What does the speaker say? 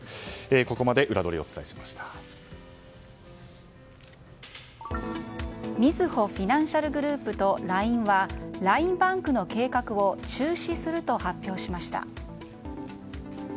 ここまでウラどりをみずほフィナンシャルグループとＬＩＮＥはＬＩＮＥバンクの計画を中止すると発表しました。